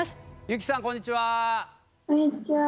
優希さんこんにちは！